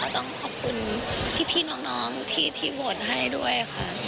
ต้องขอบคุณพี่น้องที่โหวตให้ด้วยค่ะ